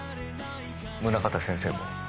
宗方先生も。